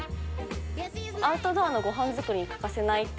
アウトドアのごはん作りに欠かせないって